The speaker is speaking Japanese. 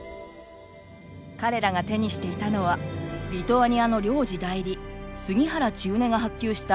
彼らが手にしていたのはリトアニアの領事代理杉原千畝が発給した「命のビザ」です。